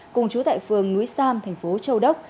cùng chú tại phường núi sam thành phố châu đốc